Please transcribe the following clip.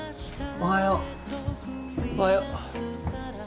おはよう。